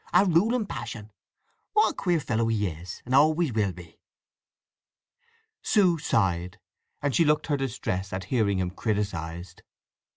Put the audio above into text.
A ruling passion. What a queer fellow he is, and always will be!" Sue sighed, and she looked her distress at hearing him criticized.